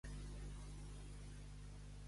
—Morena! —Agafa una merda i berena!